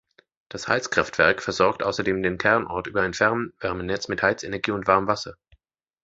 Das Heizkraftwerk versorgt außerdem den Kernort über ein Fernwärmenetz mit Heizenergie und Warmwasser.